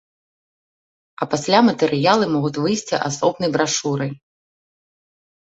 А пасля матэрыялы могуць выйсці асобнай брашурай.